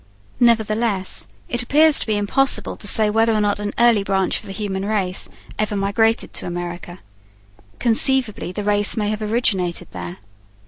Nevertheless, it appears to be impossible to say whether or not an early branch of the human race ever 'migrated' to America. Conceivably the race may have originated there.